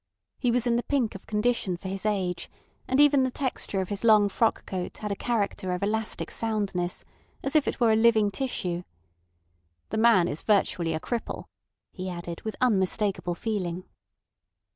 He was in the pink of condition for his age, and even the texture of his long frock coat had a character of elastic soundness, as if it were a living tissue. "The man is virtually a cripple," he added with unmistakable feeling.